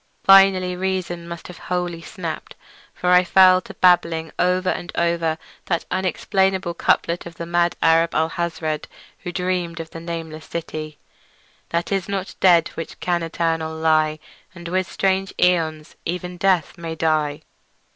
Finally reason must have wholly snapped, for I fell to babbling over and over that unexplainable couplet of the mad Arab Alhazred, who dreamed of the nameless city: "That is not dead which can eternal lie, And with strange aeons even death may die."